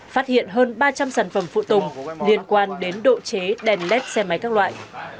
phát hiện hơn ba trăm linh sản phẩm phụ tùng liên quan đến độ chế đèn led xe máy các loại